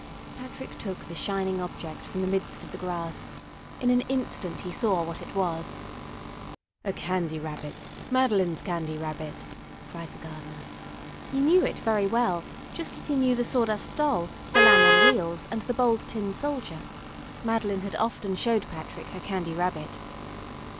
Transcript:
Patrick took the shining object from the midst of the grass. In an instant he saw what it was. "A Candy Rabbit! Madeline's Candy Rabbit!" cried the gardener. He knew it very well, just as he knew the Sawdust Doll, the Lamb on Wheels, and the Bold Tin Soldier. Madeline had often showed Patrick her Candy Rabbit.